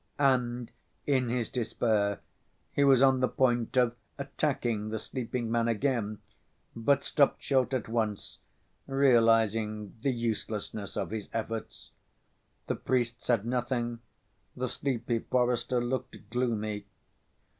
And in his despair he was on the point of attacking the sleeping man again, but stopped short at once, realizing the uselessness of his efforts. The priest said nothing, the sleepy forester looked gloomy.